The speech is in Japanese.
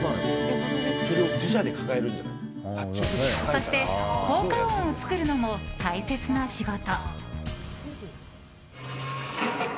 そして効果音を作るのも大切な仕事。